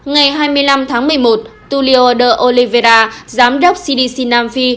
ngày hai mươi năm tháng một mươi một tulio de oliveira giám đốc cdc nam phi